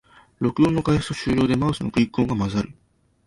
録音の開始と終了でマウスのクリック音が混ざる